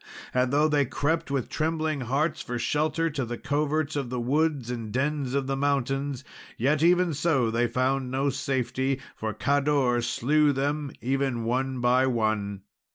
And though they crept with trembling hearts for shelter to the coverts of the woods and dens of mountains, yet even so they found no safety, for Cador slew them, even one by one.